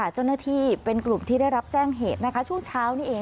เจ้าหน้าที่เป็นกลุ่มที่ได้รับแจ้งเหตุช่วงเช้านี่เอง